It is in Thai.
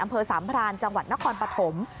อำเภอสามพรานจังหวัดนครปฐม